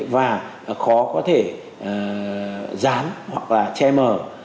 và khó có thể dán hoặc là che mờ